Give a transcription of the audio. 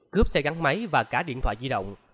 cướp xe gắn máy và cả điện thoại di động